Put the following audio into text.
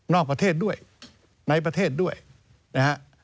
นอกประเทศด้วยในประเทศด้วยนะครับ